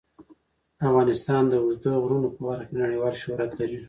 افغانستان د اوږده غرونه په برخه کې نړیوال شهرت لري.